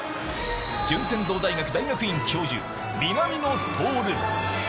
順天堂大学大学院教授、南野徹。